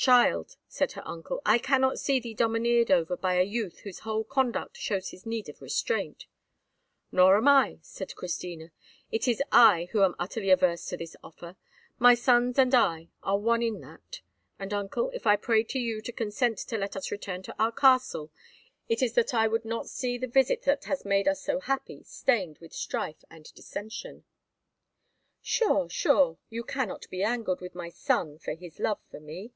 "Child," said her uncle, "I cannot see thee domineered over by a youth whose whole conduct shows his need of restraint." "Nor am I," said Christina. "It is I who am utterly averse to this offer. My sons and I are one in that; and, uncle, if I pray of you to consent to let us return to our castle, it is that I would not see the visit that has made us so happy stained with strife and dissension! Sure, sure, you cannot be angered with my son for his love for me."